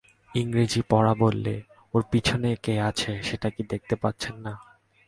ইংরেজি-পড়া বললে, এর পিছনে কে আছে সেটা কি দেখতে পাচ্ছেন না?